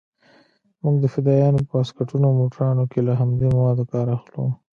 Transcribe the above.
موږ د فدايانو په واسکټونو او موټرانو کښې له همدې موادو کار اخلو.